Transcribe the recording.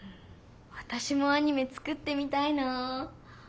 わたしもアニメ作ってみたいな。